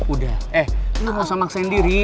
udah eh lu gausah maksain diri